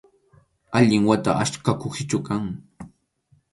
Allin wata ackha kuhichu kan